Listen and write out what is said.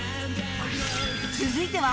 続いては